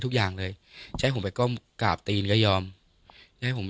ทุกอย่างเลยจะให้ผมไปก้มกราบตีนก็ยอมให้ผม